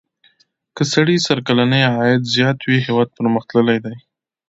که سړي سر کلنی عاید زیات وي هېواد پرمختللی دی.